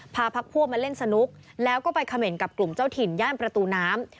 พักพวกมาเล่นสนุกแล้วก็ไปเขม่นกับกลุ่มเจ้าถิ่นย่านประตูน้ำ